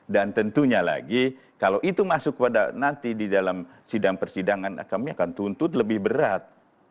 dan tentunya lagi kalau itu masuk ke dalam sidang persidangan kami akan tuntut lebih berat